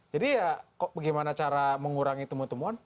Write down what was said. jadi ya gimana cara mengurangi temuan temuan